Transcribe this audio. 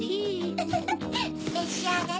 ウフフ！めしあがれ。